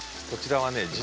こちらはね